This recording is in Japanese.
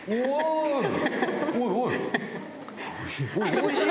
おいしい！